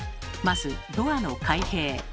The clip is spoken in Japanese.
まずドアの開閉。